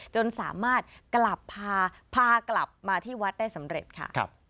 จนสามารถกลับพากลับมาที่วัดได้สำเร็จค่ะ